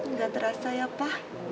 nggak terasa ya pa